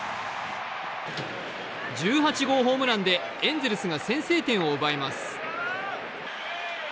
１８号ホームランでエンゼルスが先制点を奪います。